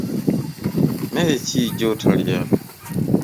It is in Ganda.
Mmere ki gy'otalya?